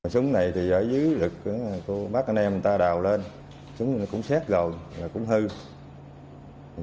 súng này thì dưới lực bác anh em ta đào lên súng nó cũng xét rồi cũng hư